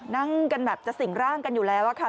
นั่งกันแบบจะสิ่งร่างกันอยู่แล้วค่ะ